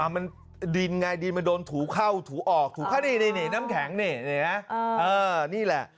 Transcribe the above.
อ่ะมันดินไงมันโดนถูเข้าถูออกเดี๋ยวพอดีน้ำแข็งเน่เน่นี้แหละ